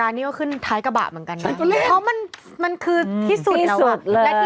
แล้วที่เล่นสนุกสุดต้องที่ไหนหรือเปล่า